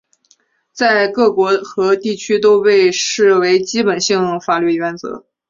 在各国和地区都被视为基本性法律原则。